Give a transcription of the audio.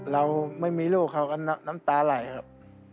เราไม่มีลูกเขาก็น้ำตาไหลครับ